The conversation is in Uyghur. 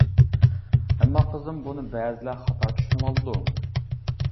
ئەمما قىزىم بۇنى بەزىلەر خاتا چۈشىنىۋالىدۇ.